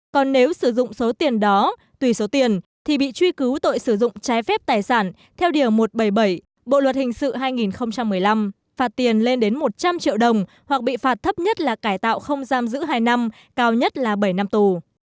còn nếu sử dụng số tiền đó tùy số tiền thì bị truy cứu tội sử dụng trái phép tài sản theo điều một trăm bảy mươi bảy bộ luật hình sự hai nghìn một mươi năm phạt tiền lên đến một trăm linh triệu đồng hoặc bị phạt thấp nhất là cải tạo không giam giữ hai năm cao nhất là bảy năm tù